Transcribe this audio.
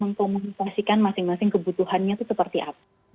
mengkomunikasikan masing masing kebutuhannya itu seperti apa